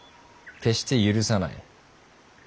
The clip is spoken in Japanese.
決して許さない。